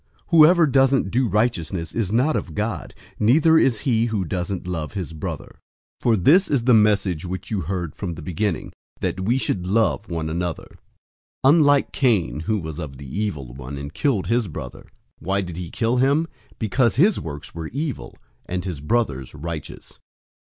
Whoever doesn't do righteousness is not of God, neither is he who doesn't love his brother. 003:011 For this is the message which you heard from the beginning, that we should love one another; 003:012 unlike Cain, who was of the evil one, and killed his brother. Why did he kill him? Because his works were evil, and his brother's righteous.